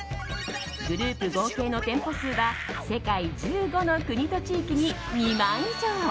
グループ合計の店舗数は世界１５の国と地域に２万以上。